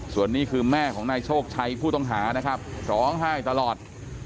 ส่วนนี้คือแม่ของนายโชคชัยผู้ต้องหานะครับร้องไห้ตลอด